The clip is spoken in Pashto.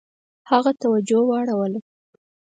هغه توجه واړوله.